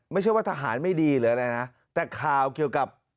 ไม่ใช่ว่าทหารไม่ดีหรืออะไรนะแต่ข่าวเกี่ยวกับ